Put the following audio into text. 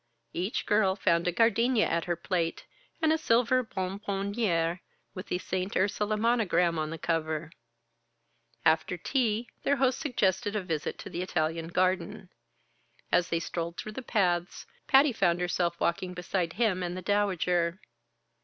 Each girl found a gardenia at her plate and a silver bonbonnière with the St. Ursula monogram on the cover. After tea their host suggested a visit to the Italian garden. As they strolled through the paths, Patty found herself walking beside him and the Dowager.